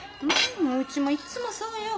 うちもいっつもそうよ。